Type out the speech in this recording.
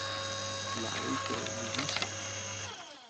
來的明顯